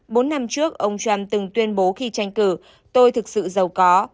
bốn năm trước ông trump từng tuyên bố khi tranh cử tôi thực sự giàu có